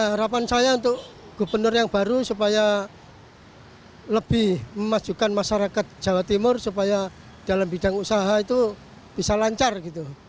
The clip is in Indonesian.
harapan saya untuk gubernur yang baru supaya lebih memajukan masyarakat jawa timur supaya dalam bidang usaha itu bisa lancar gitu